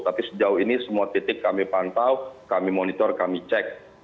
tapi sejauh ini semua titik kami pantau kami monitor kami cek